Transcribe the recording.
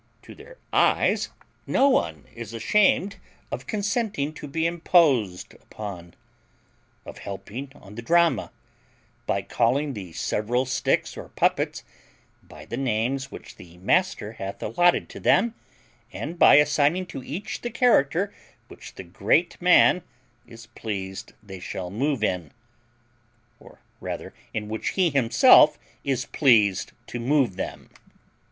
to their eyes, no one is ashamed of consenting to be imposed upon; of helping on the drama, by calling the several sticks or puppets by the names which the master hath allotted to them, and by assigning to each the character which the great man is pleased they shall move in, or rather in which he himself is pleased to move them.